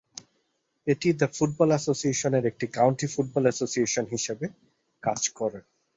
এটি the football অ্যাসোসিয়েশনের একটি কাউন্টি ফুটবল অ্যাসোসিয়েশন হিসেবে কাজ করে।